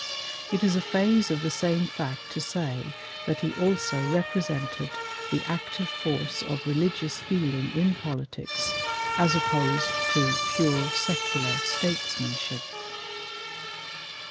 It is a phase of the same fact to say that he also represented the active force of religious feeling in politics, as opposed to pure secular statesmanship.